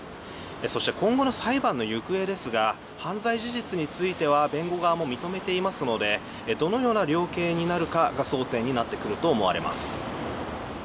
そして、今後の裁判の行方ですが犯罪事実については弁護側も認めていますのでどのような量刑になってくるかが争点になってくると思われます。